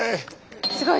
すごい。